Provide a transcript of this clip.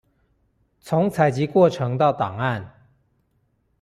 從採集過程到檔案